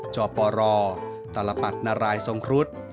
จโบรอร์ตลภัฏหนารายทรงครุฑ